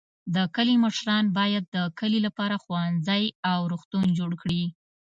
د کلي مشران باید د کلي لپاره ښوونځی او روغتون جوړ کړي.